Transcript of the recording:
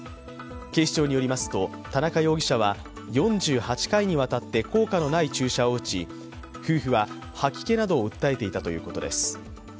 警視庁によりますと田中容疑者は４８回にわたって効果のない注射を打ち、夫婦は吐き気などを訴えていたということです。